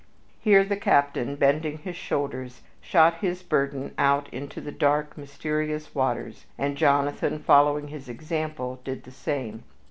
Here the captain, bending his shoulders, shot his burden out into the dark, mysterious waters, and Jonathan, following his example, did the same.